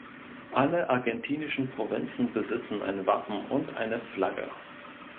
Alle argentinischen Provinzen besitzen ein Wappen und eine Flagge.